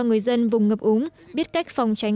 người dân vùng ngập úng biết cách phòng tránh